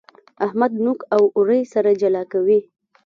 احمد نوک او اورۍ سره جلا کوي.